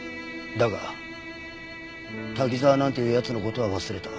だが滝沢なんていう奴の事は忘れた。